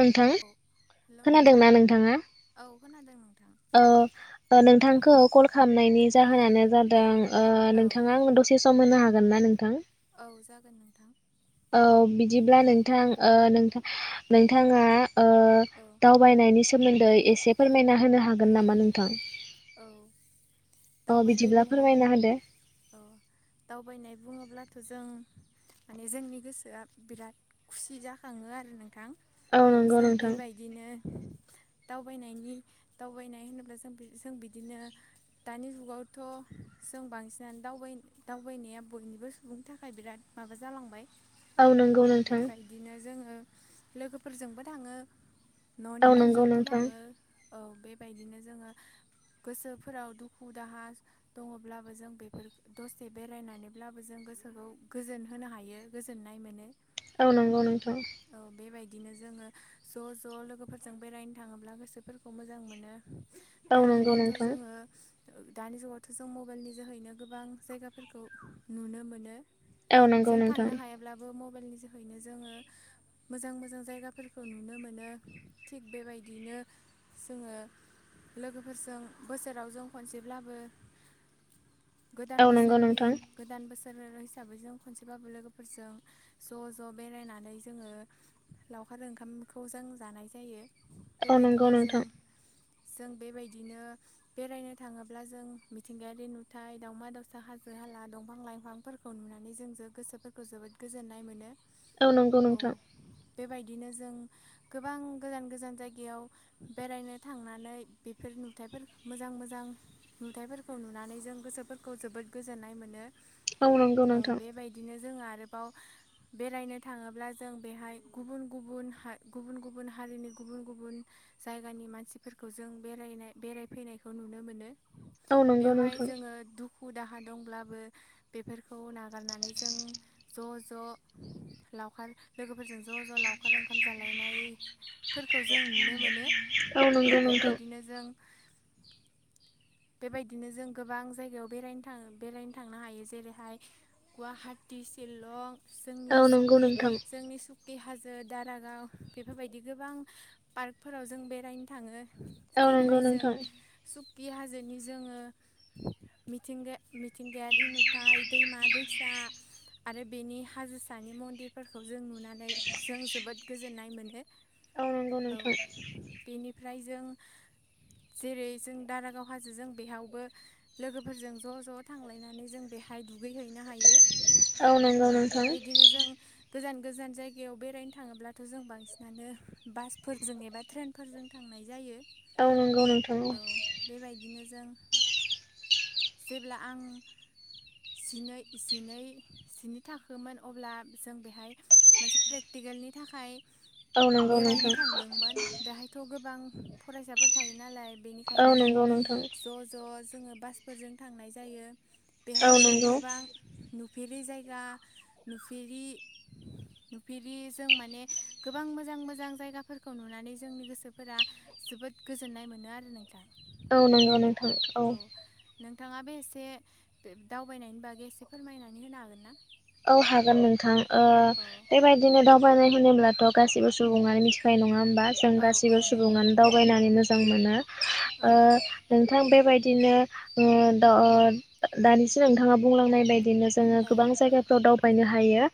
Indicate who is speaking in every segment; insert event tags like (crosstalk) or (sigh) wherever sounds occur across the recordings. Speaker 1: नोंथां।
Speaker 2: औ हेलौ नोंथां
Speaker 1: खोनादोंना नोंथाङा
Speaker 2: औ खोनादों नोंथां
Speaker 1: ओ ओ नोंथांखौ कल खा नायनि जाहोनानो जादों ओ
Speaker 2: औ
Speaker 1: नोंथाङा आं दसे सम होनो हागोन ना नोंथां।
Speaker 2: औ जागोन नोंथां।
Speaker 1: औ बिदिब्ला नोंथां‌ ओ नोंथा नोंथाङा ओ
Speaker 2: औ
Speaker 1: (unintelligible) नायनि सोमोन्दै एसे फोरमायना होनो हागोन नामा नोंथां।
Speaker 2: औ।
Speaker 1: अ
Speaker 2: दावबायनाय
Speaker 1: बिदिब्ला
Speaker 2: बुङो
Speaker 1: फोरमायना होदो
Speaker 2: औ दावबायनाय बुङोब्ला थ जों माने जोंनि गोसोआ बिराद खुसि जाखाङो आरो नोंथां। औ
Speaker 1: नंगौ
Speaker 2: जों
Speaker 1: नोंथां
Speaker 2: बेबायदिनो दावबायनायनि दावबायनाय होनोब्ला जों बे जों बिदिनो दानि जुगावथ जों बांसिनानो दावबाय दावबायनाया बयनि बो सुबुंनि थाखाय बिराद माबा जालांबाय।
Speaker 1: औ नोंगौ नोंथां।
Speaker 2: बेबायदिनो जोङो लोगोफोरजोंबो थाङो
Speaker 1: औ नंगौ
Speaker 2: ननिफोरजोंबो
Speaker 1: नोंथां
Speaker 2: थाङो। औ बेबायदिनो जोङो
Speaker 1: (inaudible)
Speaker 2: गोसोफोराव दुखु दाहा दङब्लाबो जों बेफोर दसे बेरायनानैब्लाबो जों गोसोखौ गोजोन होनो हायो गोजोननाय मोनो।
Speaker 1: औ नंगौ नोंथौ।
Speaker 2: बिदिनो जोङो ज ज‌लोगोफोरजों बेरायनो थाङोब्ला गोसोफोरखौ मोजां मोनो
Speaker 1: औ
Speaker 2: दानि
Speaker 1: नंगौ
Speaker 2: जुगावथ
Speaker 1: नोंथां
Speaker 2: जोङो दानि जुगावथ जों मबेलनि जोहैनो गोबां जायगाफोरखौ नुनो मोनो
Speaker 1: औ नंगौ
Speaker 2: जों
Speaker 1: नोंथां
Speaker 2: थांनो हायाब्लाबो मबेल मबेलनि जोहैनो जोङो मोजां मोजां जायगाफोरखौ नुनो मोनो थिग बेबायदिनो जोङो लोगोफोरजों बोसोराव जों खनसेब्लाबो गोदान
Speaker 1: औ नंगौ
Speaker 2: बोसोरनि
Speaker 1: नोंथां
Speaker 2: गोदान बोसोर (unintelligible) हिसाबै जों खनसेबाबो लोगोफोरजों ज ज बेरायनानै जोङो लावखार ओंखाम लावखार ओंखामखौ जों जानाय जायो
Speaker 1: औ नंगौ
Speaker 2: बेबायदिनो जों
Speaker 1: नोंथां
Speaker 2: जों बेबायदिनो बेरायनो थाङोब्ला जों मिथिंगायारि नुथाय दावमा दावसा हाजो हाला हाला दंफां लाइफांफोरखौ नुनानै जों जो गोसोफोरखौ जोबोद गोजोननाय मोनो
Speaker 1: औ नंगौ नोंथां
Speaker 2: बेबायदिनो जों गोबां गोजान गोजान जायगायाव बेरायनो थांनानै बेफोर नुथाइफोर मोजां मोजां नुथाइफोरखौ नुनानै जों गोसोफोरखौ जोबोद गोजोननाय मोनो
Speaker 1: नंगौ
Speaker 2: औ
Speaker 1: नोंथां
Speaker 2: बेबायदिनो जोंहा आरोबाव बेरायनो थाङोब्ला जों बेहाय गुबुन गुबुन गुबुन गुबुन हारिनि गुबुन गुबुन जायगानि मानसिफोरखौ खौ जों बेरायनाय बेराय फैनायखौ नुनो मोनो
Speaker 1: औ नंगौ
Speaker 2: बेवहाय
Speaker 1: नोंथां
Speaker 2: जोङो दुखु खु दाहा दंब्लाबो बेफोरखौ नागारनानै जों ज ज लावखार लोगोफोरजों ज ज लावखार ओंखाम जालायनाय फोरखौ जों नुनो मोनो औ
Speaker 1: नंगौ नोंथां
Speaker 2: बेबायदिनो जों बेबायदिनो जों गोबां जायगायाव बेरायनो थाङो बेरायनो थांनो हायो जेरैहाय गुवाहाटि शिलं
Speaker 1: औ नंगौ
Speaker 2: जोंनि
Speaker 1: नोंथां
Speaker 2: जोंनि सुकि हाजो जै दारागाव बेफोरबायदि गोबां पार्कफोराव जों बेरायनो थाङो
Speaker 1: औ नंगौ
Speaker 2: जेरैहाय
Speaker 1: नोंथां
Speaker 2: जों सुकि हाजोनि जोङो मिथिंगाया मिथिंगायारि नुथाय दैमा दैसा आरो बेनि हाजोसानि मन्दिरफोरखौ जों नुनानै जों जोबोद गोजोननाय मोनो
Speaker 1: नंगौ नोंथां
Speaker 2: औ बेनिफ्राय जों जेरै जों दारागाव हाजो जों बेहयावबो लोगोफोरजों ज' ज' थांलायनानै जों बेहाय दुगैहैनो हायो औ
Speaker 1: नंगौ नोंथां
Speaker 2: बेबायदिनो जों गोजान गोजान जायगायाव बेरायनो थाङोब्लाथ' जों बांसिनानो बासफोरजों एबा ट्रेनफोरजों थांनाय जायो
Speaker 1: औं नंगौ नोंथां औ
Speaker 2: बिदिनो जों जेब्ला आं जिनै जिनै जिनै थाखोमोन अब्ला जों बेहाय मोनसे प्रेकटि केलनि थाखाय
Speaker 1: औ नंगौ
Speaker 2: बेरायनो
Speaker 1: नोंथां
Speaker 2: थांदोंमोन बेहायथ' गोबां फरायसाफोर थायो नालाय बेनिखायनो
Speaker 1: औ नोंथां
Speaker 2: अ जोङो बफोरजों थांनाय जायो बेहाय
Speaker 1: औ
Speaker 2: जों
Speaker 1: नंगौ
Speaker 2: गोब नुफेरि जायगा नुफेरि नुफेरि जों माने गोबां मोजां मोजां जायगाफोरखौ नुनानै जोंनि गोसोफोरा जोबोद गोजोननाय मोनो आरो नोंथां
Speaker 1: औ नंगौ नोंथां औ
Speaker 2: नोंथाङा बे एसे दावबायनायनि बागै एसे फोरमायनानै होनो हागोन ना
Speaker 1: औ हागोन नोंथां
Speaker 2: औ
Speaker 1: बेबायदिनो दावबायनाय होनोब्लाथ' गासिबो सुबुङानो मिथिखनाय नङा होमबा जों
Speaker 2: औ औ
Speaker 1: गासिबो
Speaker 2: नंगौ
Speaker 1: सुबुङानो दावबायनानै मोजां मोनो
Speaker 2: औ
Speaker 1: नोंथां बे बेबायदिनो ओ दा निसो नोंथाङा बुंलांनाय बायदि बिदिनो जोंङो
Speaker 2: औ
Speaker 1: गोबां जायगाफ्राव दावबायनो हायो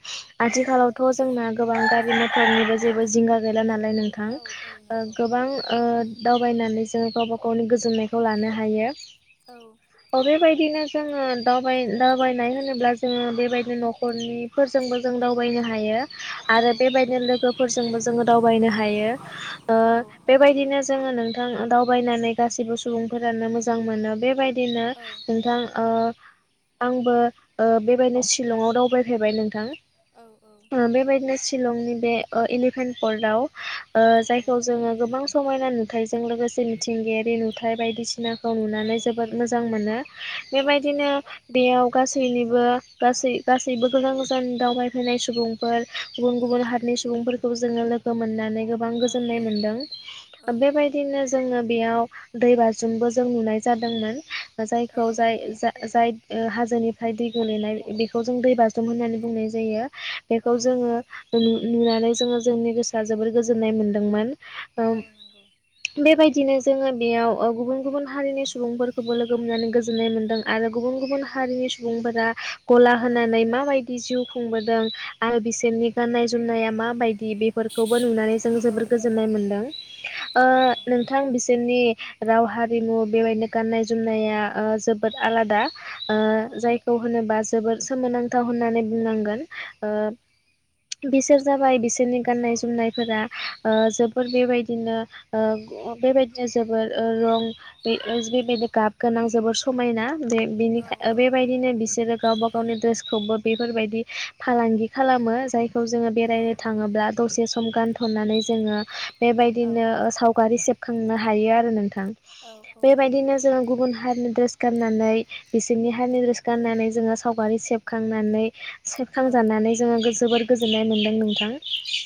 Speaker 2: औ
Speaker 1: आथिखालावथ' जोंना गोबां गारि मटरनिबो जेबो जिंगा गैला नालाय नोंथां
Speaker 2: औ औ
Speaker 1: ओ
Speaker 2: नंगौ
Speaker 1: गोबां ओ दावबायनानै जोंङो गावबा गावनि गोजोननायखौ लानो हायो
Speaker 2: औ
Speaker 1: अ बेबायदिनो जोंङो दावबाय दावबायनाय होनोब्ला जोंङो बेबायदि न'खरनिफोरजोंबो जों दावबायनो हायो
Speaker 2: औ
Speaker 1: आरो बेबायदिनो लोगोफोरजोंबो जोंङो दावबायनो हायो ओ
Speaker 2: औ
Speaker 1: बेबायदिनो जोंङो नोंथां दावबायनानै गासिबो सुबुंफोरानो मोजां मोनो बेबायदिनो नो
Speaker 2: औ
Speaker 1: नोंथां ओआबो ओ बेबायदि शिलंआव दावबाय फेरबाय नोंथां
Speaker 2: औ नंगौ
Speaker 1: ओ बेबायदिनो शिलंनि बे ओ इलिफेन्थ फर्दाव ओ
Speaker 2: औ
Speaker 1: जायखौ जोंङो गोबां समायना नुथाइजों लोगोसे मिथिंगायारि नुथायाइ बायदिसिना खौ नुनानै जोबोद मोजां मोनो
Speaker 2: औ
Speaker 1: बेबायदिनो बेयाव गासैनिबो गासै गासैबो गोजान गोजान दावबायफैनाय सुबुंफोर गुबुन गुबुन हादनि सुबुंफोरफोरखौ खौ जोंङो लोगो मोननानै गोबां गोजोननाय मोनदों बेबायदिनो जोंङो बेयाव दै बाजुमबो जों नुनाय जादोंमोन जायखौ
Speaker 2: औ
Speaker 1: जाय जा-जाय ओ हाजोनिफ्राय दै गोलैनाय बेखौ जों दै बाजरूम होननानै बुंनाय जायो। बेखौ जोंङो नु-नुनानै जोंङो जोंनि गोसोआ जोबोर गोजोननाय मोनदोंमोन। ओ
Speaker 2: औ नंगौ औ नंगौ औ नंगौ
Speaker 1: बेबायदि बिदिनो जोंङो बेयाव ओ गुबुन गुबुन हारिनि सुबुंफोरखौबो लोगो मोननानै गोजोननाय मोनदों आरो गुबुन गुबुन हारिनि सुबुंफोरा ग'ला होनानै माबायदि जिउ खुंबोदों आरो बिसोरनि गाननाय जोमनाया माबायदि बेफोरखौबो नुनानै जों जोबोर गोजोननाय मोनदों ओ नोंथां बिसोरनि राव हारिमु बेबायदिनो गाननाय जोमनाया ओ जोबोद आलादा ओ जायखौ होनोबा जोबोर सोमोनांथाव होननानै बुंनांगोन ओ बिसोर जाबाय बिसोर जोंनि गाननाय जोमनायफोरा ओ जोबोर ओ ग बेबायदिनो जोबोर ओ रं बे बेबायदि गाब गोनां जोबोर समायना बे बिनिखा ओ बेबायदिनो बिसोरो। गावबा गावनि द्रेसखौबो बेफोरबायदि फालांगि खालामो जाय खौ जोंङो बेरायनो थांङोब्ला दसे सम गानथनानै जोंङो। बेबायदिनो ओ सावगारि सेबखांनो हायोआरो नोंथा थां बेबायदिनो जों गुबुन हारिनि द्रेस गाननानै बिसोरनि हारिनि द्रेस गाननानै जोंङो सावगारि सेबखांनानै
Speaker 2: औ
Speaker 1: सेबखांजानानै जोंङो गो जोबोर गोजोननायमोनदों नोंथां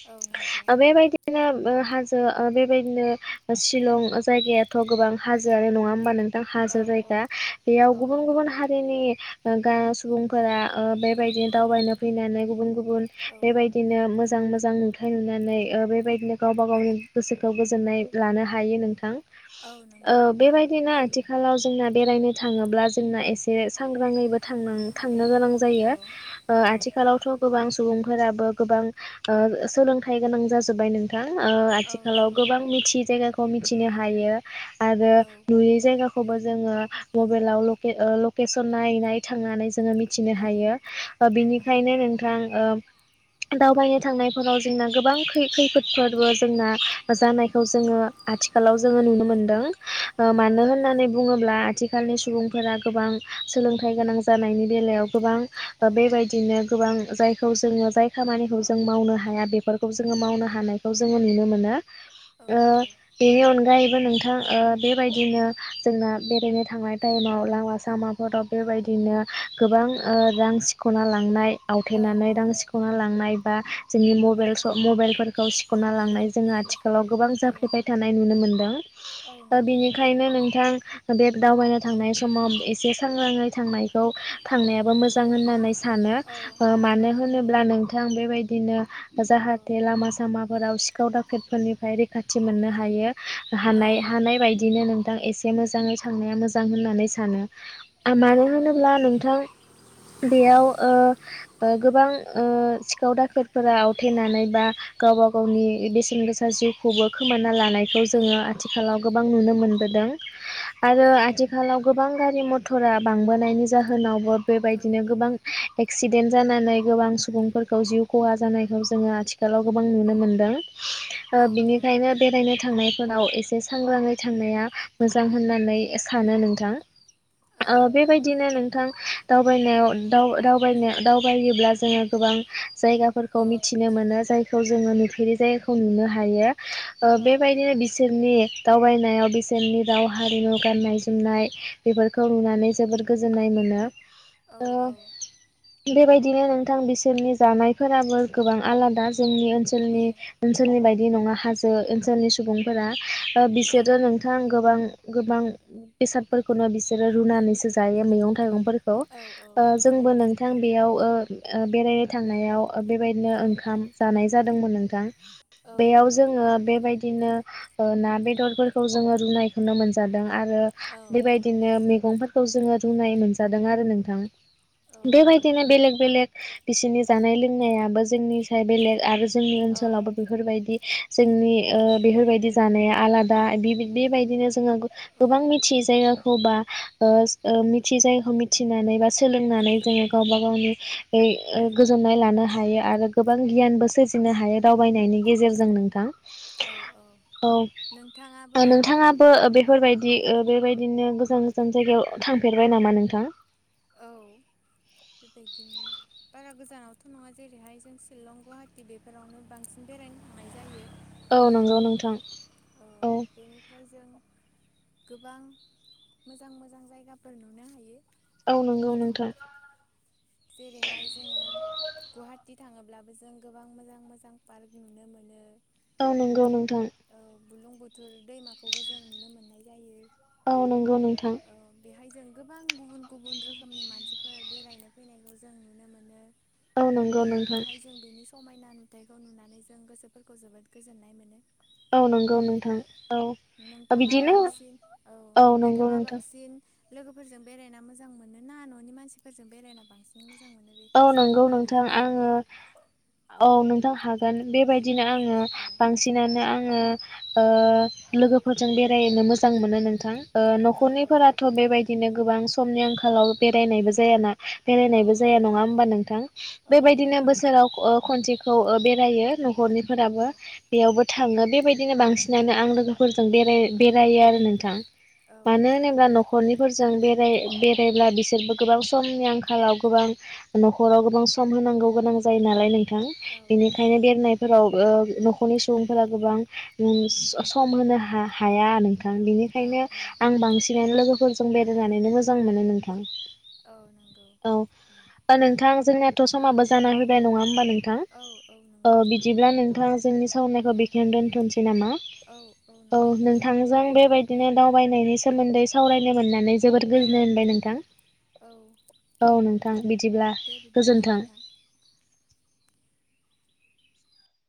Speaker 2: औ नंगौ
Speaker 1: ओ बेबायदिनो बो हाजो ओह बेबायदिनो शिलं जायगायाथ' गोबां हाजोआनो नंङाहोमबा नों थां हाजो जायगा
Speaker 2: औ
Speaker 1: बेयाव
Speaker 2: औ औ
Speaker 1: गुबुन
Speaker 2: नंगौ
Speaker 1: गुबुन हारिनि ओ गा सु सुबुंफोरा ओ बेबायदि दावबायनो फैनानै गुबुन गुबुन
Speaker 2: औ
Speaker 1: बेबायदिनो मोज मोजां मोजां नुथाय नुनानै ओ बेबायदिनो गावबा गावनि गोसोखौ गोजोननाय लानोहायो नोंथां।
Speaker 2: औ
Speaker 1: ओ
Speaker 2: नंगौ नंगौ
Speaker 1: बेबायदिनो आथिखालाव जोंना बेरायनो थांङोब्ला जोंना एसे सांग्रांङैबो थांनां थांनोगोनां जायो
Speaker 2: औ
Speaker 1: ओह
Speaker 2: औ
Speaker 1: आथिखालावथ गोबांस सुबुंफोराबो गोबां ओह सोलोंथाइ गोनां जाजोब्बाय नोंथा थां ओह
Speaker 2: औ
Speaker 1: आथिखालाव
Speaker 2: नंगौ
Speaker 1: गोबां मिथियि जायगाखौ मिथिनो हायो। आरो
Speaker 2: औ
Speaker 1: नुयै जायगाखौबो जोंङो मबाइलाव लके ओह लकेसन नायै नायै थांनानैज। जोंङो मिथिनो
Speaker 2: औ
Speaker 1: हायो ओह
Speaker 2: औ नंगौ
Speaker 1: बिनिखायनो नोंथां ओह
Speaker 2: औ
Speaker 1: दावबायनो थांनायफोरावजों जोंना गोबां खै खैफोदफोरबो जोंना जानायखौ जोंङो आथिखालाव जोंङो नुनोमोनदों। ओ
Speaker 2: औ
Speaker 1: मानो होननानै बुंङोब्ला आथिखालनि सुबुंफोरा गोबां सोलोंथाइ गोनां जानायनि बेलायाव गोबां
Speaker 2: औ
Speaker 1: ओह बेबायदिनो गोबां जायखौ जोंङो जाय खामानिखौ जों मावनो हाया बेफोरखौ जोङो मावनो हानायखौ जोंङो नुनोमोनो।
Speaker 2: औ
Speaker 1: ओ बेनि अनगायैबो नोंथ थां ओह बेबायदिनो जोंना बेरायनो थांनाय टायेमाव लामा सामाफोराव बेबायदिनो गोबां ओ रां सिख खना लांनाय
Speaker 2: औ
Speaker 1: आवथेनानै रां सिख'ना लांनाय बा जोंनि
Speaker 2: औ
Speaker 1: मबेल स मबेलफोरखौ सिख' ना लांनाय जोङो आथिखालाव गोबां जाफ्लेबाय थानाय नुनो मोनदों।
Speaker 2: औ
Speaker 1: दा
Speaker 2: नंगौ
Speaker 1: बेनिखायनो नोंथां बे दावबायनो थांनाय समाव एसे सांग्राङै थांनायखौ थांनायाबो मोजां होननानै स सानो
Speaker 2: औ
Speaker 1: ओह
Speaker 2: औ
Speaker 1: मानो
Speaker 2: नंगौ
Speaker 1: होनोब्ला नोंथां बेबायदिनो
Speaker 2: औ
Speaker 1: जाहाथे लामा सामाफोराव सिखाव दाखेद फोरनिफाय रैखाथि मोननोहायो।
Speaker 2: औ
Speaker 1: हानाय हानाय बायदिनो नोंथां एसे मोजाङै साननाया मोजां होननानै सानो। आ
Speaker 2: औ
Speaker 1: मानो होनोब्ला नोंथां बेयाव ओह ओह गोबां ओह सिखाव दाखोतफोरा आवथेनानै बा गावबा गावनि बेसेनगोसा जिउखौबो खोमानो ना लानायखौ जोङो आथिखालाव गोबां नुनो मोनबोदों आरो आथिखालाव गोबां गाज रि मथ'रा बांबोनायनि जाहोनावबो
Speaker 2: औ
Speaker 1: बेबायदिनो गोबां एक्सिदेन जानानै गोबां सुबुंफोरखौ जिउ खहा जानायखौ जोङो आथिखालाव गोबां नुनो मोनदों। ओह
Speaker 2: औ औ
Speaker 1: बिनिखायनो बेरायनो थांनाय होनाव एसे सांग्राङै थांनाया मोजां होननानै सानो नोंथां।
Speaker 2: नंगौ
Speaker 1: ओह
Speaker 2: औ
Speaker 1: बेबायदिनो नों थां दावबायनायाव दाव दावबायनाया दावबायोब्ला जोङो गोबां
Speaker 2: औ
Speaker 1: जायगाफोरखौ मिथिनो मोनो जायखौ जोङो नुफेरि जायगाखौ नुनो हायो। ओह बेबायदिनो बिसोरनि दावबायनायाव बिसोरनि राव, हारिमु, गाननाय-जोमनाय बेफोरखौ नुनानै जोबोर गोजोननाय मोन
Speaker 2: औ औ।
Speaker 1: बेबायदिनो नोंथां बिसोरनि जानायफोराबो गोबां आलादा। जोंनि ओनसोलनि ओनसोलनिबायदि नङा हाजो ओनसोलनि सुबुंफोरा। ओ बिसोरो नोंथां गोबां गोबां बेसादफोरखौनो बिसोरो रुनानैसो जायो मैगं-थाइगंफोर खो ओ जोंबो नोंथां बेयाव ओ ओ बेरायनो थांनायाव ओ बेबायदिनो ओंखाम जानाय जादोंमोन नोंथां। बेयाव जोङो बेबायदिनो ओ ना बेदरफोरखौ जोङो रुनायखौनो मोनजादों आरो बेबायदिनो मिगंफोर खौ जोङो रुनाय मोनजादों आरो नोंथां।
Speaker 2: औ
Speaker 1: बेबायदिनो बेलेक बेलेक बिसोरनि जानाय लोंनायाबो जोंनि साय बेलेग आरो जोंनि ओनसोलावबो बेफोरबायदि जोंनि ओ बेफोरबायदि जानाया आलादा बि बेबायदिनो जोङो गो
Speaker 2: औ
Speaker 1: गोबां मिथियै जायगा गाखौ बा ओस ओ मिथियै जायगा खौ मिथिनानै बा सोलोंनानै जोङो गावबा गावनि ओइ ओ गोजोननाय लानो हायो आरो गोब बां गियानबो सोरजिनो हायो दावबायनायनि गेजेरजों नोंथां। औ औ
Speaker 2: नोंथाङाबो
Speaker 1: नोंथाङाबो ओ बेफोरबायद दि ओ बेबायदिनो गोजान गोजान जायगायाव थांफेरबाय नामा नोंथां? (inaudible)
Speaker 2: बायदिनो बारा गोजानावथ' नङा जेरैहाय जों शिलं, गुहाटि बेफोरावनो बांसिन बेरायनो थांनाय
Speaker 1: औ नंगौ नोंथां।
Speaker 2: ओ
Speaker 1: औ
Speaker 2: बेनिफ्राय जों गोबां मोजां मोजां जायगाफोर नुनो हायो।
Speaker 1: औ नंगौ नोंथां।
Speaker 2: जेरैहाय जोङो गुहाटि थाङोब्लाबो जों गोबां मोजां मोजां पार्क नुनो मोनो।
Speaker 1: औ नंगौ नोंथां।
Speaker 2: बुलुं बुथुर दैमाखौबो जों नुनो मोननाय जायो।
Speaker 1: औ नंगौ नोंथां।
Speaker 2: हायजों गोबां गुबुन गुबुन रोखोमनि मानसिफोर बेरायनो फैनायखौ जों नुनो मोनो।
Speaker 1: औ नंगौ नोंथां
Speaker 2: ना नुथायखौ नुनानै जों गोसोफोरखौ जोबोद गोजोननाय मोनो
Speaker 1: औ नंगौ नोंथां औ
Speaker 2: नोंथाङा
Speaker 1: बिदिनो
Speaker 2: बांसिन औ
Speaker 1: नंगौ
Speaker 2: नोंथाङा
Speaker 1: नोंथां
Speaker 2: बांसिन लोगोफोरजों बेरायना मोजां मोनो ना न'नि मानसिफोरजों बेरायना बांसिन मोजां मोनो बे
Speaker 1: औ
Speaker 2: एसे
Speaker 1: नंगौ
Speaker 2: फोरमायना
Speaker 1: नोंथां
Speaker 2: होनो हागोन
Speaker 1: आङो
Speaker 2: ना?
Speaker 1: औ नोंथां हागोन बेबायद दिनो आङो
Speaker 2: औ
Speaker 1: बांसिनानो आङो ओ लोगोफोरजों बेरायनो मोजां मोनो नोंथां ओ
Speaker 2: औ औ
Speaker 1: न'खरनिफोराथ' बेबायदिनो गोबां समनि आंखालाव बेरायनायबो जायाना
Speaker 2: औ
Speaker 1: बेरायनायबो
Speaker 2: औ
Speaker 1: जाया नङा होमबा नोंथां
Speaker 2: औ
Speaker 1: बेबायदिनो
Speaker 2: नंगौ
Speaker 1: बोसोराव ओ खनसेखौ ओ बेरायो नख'रनि
Speaker 2: औ
Speaker 1: फोराबो बेयावबो थाङो बेबायदिनो बांसिनानो आं लोगोफोरजों बेराय बेरायो आरो नोंथां
Speaker 2: औ
Speaker 1: मानो होनोब्ला न'खरनिफोरजों बे राय बेरायब्ला बिसोरबो गोबाव समनि आंखालाव गोबां न'खराव गोबां सम होनांगौ गोनां जायो नालाय नोंथां बेनिखायनो बेरनायफोराव बो न'खरनि सुबुंफोरा गोबां ओम स सम होनो हा हाया नों थां
Speaker 2: औ
Speaker 1: बिनिखायनो
Speaker 2: औ
Speaker 1: आं बांसिनानो लोगोफोरजों बेरायनानैनो मोजां मोनो नोंथां
Speaker 2: औ नंगौ औ।
Speaker 1: ओ नोंथां जोंनाथ' समाबो जाना होबाय नङा होमबा नोंथां
Speaker 2: औ औ
Speaker 1: ओ
Speaker 2: नंगौ
Speaker 1: बिदिब्ला नोंथां जोंनि सावनायखौ बेखिनियावनो दोनथ'नोसै नामा
Speaker 2: औ
Speaker 1: औ
Speaker 2: नोंथां दे
Speaker 1: नोंथांजों बेबायदिनो दावबायनाय नि सोमोन्दै सावरायनो मोननानै जोबोद
Speaker 2: औ
Speaker 1: गोजोननाय मोनबाय नोंथां
Speaker 2: औ
Speaker 1: औ नोंथां ब्ला
Speaker 2: दे बिदिब्ला
Speaker 1: गोजोन्थों
Speaker 2: नोंथां